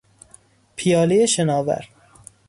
پیالهی شناور